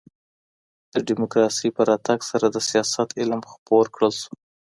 د ډيموکراسۍ په راتګ سره د سياست علم خپور کړل سو.